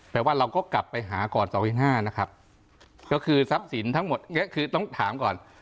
แปลว่าเราก็กลับไปหาก่อนสองที่ห้านะครับก็คือทั้งหมดเนี้ยคือต้องถามก่อน